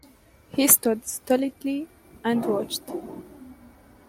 He stood stolidly and watched.